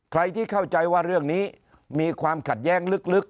ใครที่เข้าใจว่าเรื่องนี้มีความขัดแย้งลึก